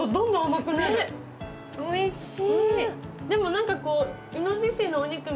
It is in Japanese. おいしい。